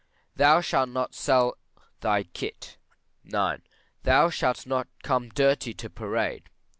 Thou shalt not sell thy kit. IX. Thou shalt not come dirty to parade.